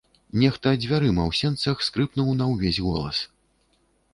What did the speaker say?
Нехта дзвярыма ў сенцах скрыпнуў на ўвесь голас.